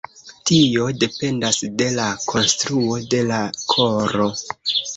Tio dependas de la konstruo de la koro.